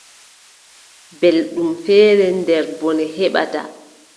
Belɗum feere nder bone heɓata.